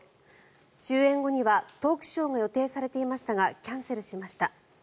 終演後にはトークショーが予定されていましたがキャンセルしました。